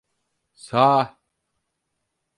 Sağa!